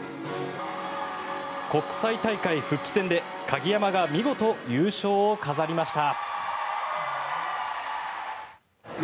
国際大会復帰戦で鍵山が見事優勝を飾りました。